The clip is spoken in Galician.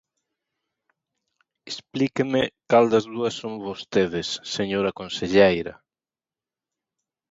Explíqueme cal das dúas son vostedes, señora conselleira.